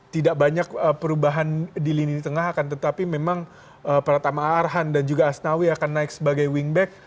tidak banyak perubahan di lini tengah akan tetapi memang pratama arhan dan juga asnawi akan naik sebagai wingback